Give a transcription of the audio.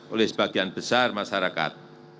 oleh sebagian besar masyarakat